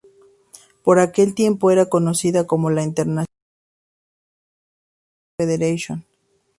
Por aquel tiempo era conocida como la "International Hapkido Federation".